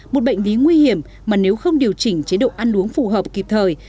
một bệnh lý nguy hiểm mà nếu không điều chỉnh chế độ ăn uống phù hợp kịp thời